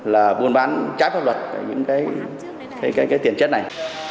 là buôn bán trái pháp luật những cái tiền chất này